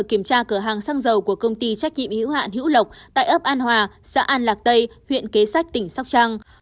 kiểm tra cửa hàng xăng dầu của công ty trách nhiệm hữu hạn hữu lộc tại ấp an hòa xã an lạc tây huyện kế sách tỉnh sóc trăng